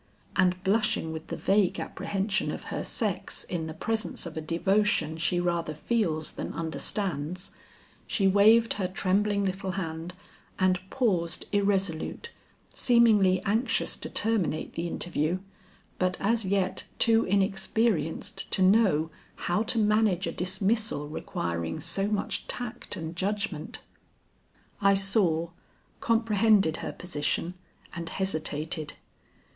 And blushing with the vague apprehension of her sex in the presence of a devotion she rather feels than understands, she waved her trembling little hand and paused irresolute, seemingly anxious to terminate the interview but as yet too inexperienced to know how to manage a dismissal requiring so much tact and judgment. I saw, comprehended her position and hesitated.